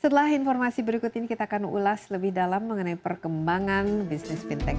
setelah informasi berikut ini kita akan ulas lebih dalam mengenai perkembangan bisnis fintech